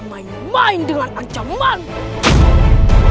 main main dengan ancamanmu